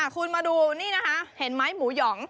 คุณมาดูนี่นะคะเห็นไหมหมูหยอง